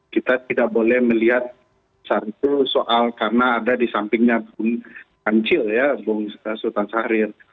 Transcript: kita tidak boleh melihat satu soal karena ada di sampingnya bung kancil ya bung sultan syahrir